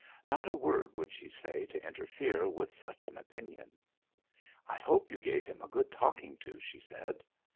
Not a word would she say to interfere with such an opinion! "I hope you gave him a good talking to," she said.